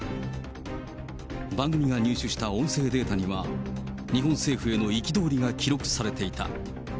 番組が入手した音声データには、日本政府への憤りが記録されていた。